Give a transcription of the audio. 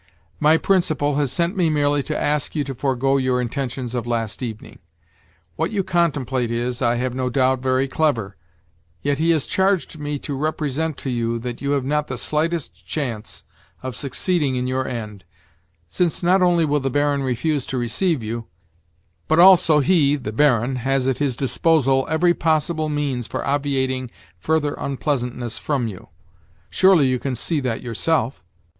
My principal has sent me merely to ask you to forego your intentions of last evening. What you contemplate is, I have no doubt, very clever; yet he has charged me to represent to you that you have not the slightest chance of succeeding in your end, since not only will the Baron refuse to receive you, but also he (the Baron) has at his disposal every possible means for obviating further unpleasantness from you. Surely you can see that yourself?